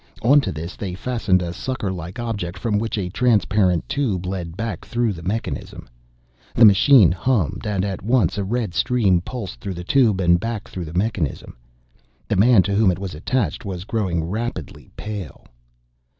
Onto this they fastened a suckerlike object from which a transparent tube led back through the mechanism. The machine hummed and at once a red stream pulsed through the tube and back through the mechanism. The man to whom it was attached was growing rapidly pale!